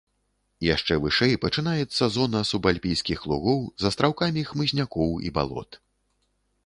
Яшчэ вышэй пачынаецца зона субальпійскіх лугоў з астраўкамі хмызнякоў і балот.